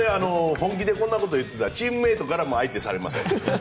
本気でこんなことを言っていたらチームメートからも相手にされません。